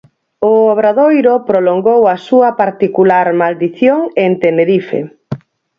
O Obradoiro prolongou a súa particular maldición en Tenerife.